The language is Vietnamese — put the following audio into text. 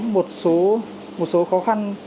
một số khó khăn